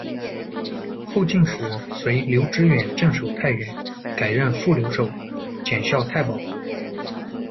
后晋时，随刘知远镇守太原，改任副留守、检校太保。